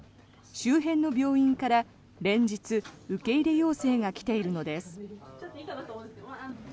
周辺の病院から連日受け入れ要請が来ているのです。